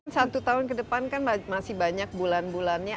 satu tahun ke depan kan masih banyak bulan bulannya